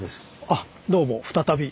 あっどうも再び。